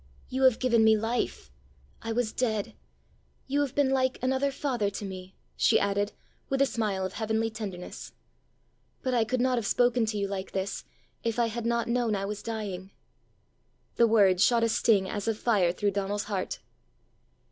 You have given me life! I was dead. You have been like another father to me!" she added, with a smile of heavenly tenderness. "But I could not have spoken to you like this, if I had not known I was dying." The word shot a sting as of fire through Donal's heart.